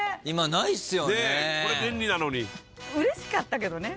うれしかったけどね。